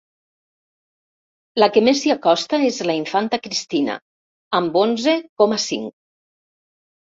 La que més s'hi acosta és la infanta Cristina, amb onze coma cinc.